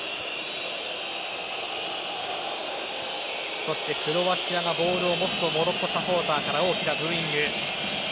そしてクロアチアがボールを持つとモロッコサポーターから大きなブーイング。